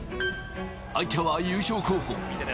相手は優勝候補。